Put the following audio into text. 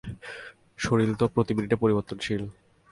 শরীর তো প্রতি মিনিটে পরিবর্তনশীল।